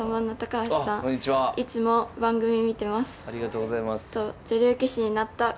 ありがとうございます。